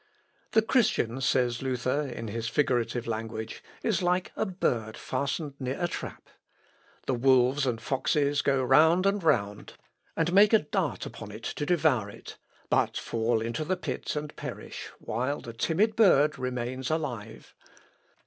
"The Christian," says Luther, in his figurative language, "is like a bird fastened near a trap. The wolves and foxes go round and round, and make a dart upon it to devour it, but fall into the pit and perish, while the timid bird remains alive.